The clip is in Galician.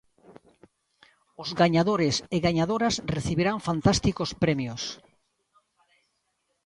Os gañadores e gañadoras recibirán fantásticos premios.